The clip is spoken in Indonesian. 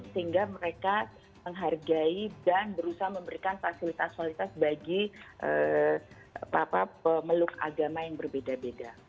sehingga mereka menghargai dan berusaha memberikan fasilitas fasilitas bagi meluk agama yang berbeda beda